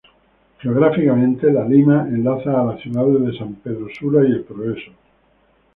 Geográficamente, La Lima enlaza a las ciudades de San Pedro Sula y El Progreso.